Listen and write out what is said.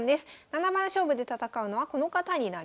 七番勝負で戦うのはこの方になります。